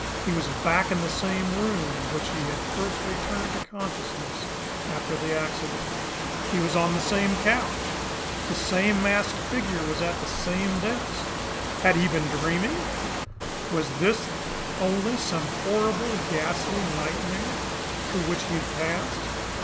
He was back in the same room in which he had first returned to consciousness after the accident. He was on the same couch. The same masked figure was at the same desk. Had he been dreaming? Was this then only some horrible, ghastly nightmare through which he had passed?